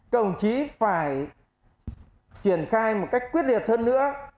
đồng chí phải triển khai một cách quyết liệt hơn nữa